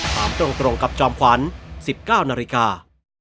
ถามตรงกับจอมขวัญ๑๙นาฬิกา